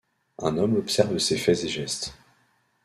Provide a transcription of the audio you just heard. Un homme observe ses faits et gestes.